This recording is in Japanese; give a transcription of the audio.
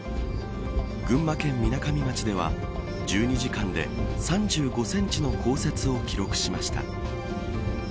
群馬県みなかみ町では１２時間で３５センチの降雪を記録しました。